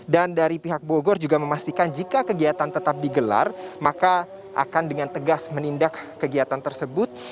dan dari pihak bogor juga memastikan jika kegiatan tetap digelar maka akan dengan tegas menindak kegiatan tersebut